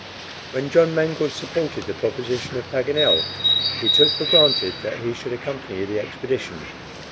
When John Mangles supported the proposition of Paganel, he took for granted that he should accompany the expedition.